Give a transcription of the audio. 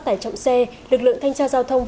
tải trọng xe lực lượng thanh tra giao thông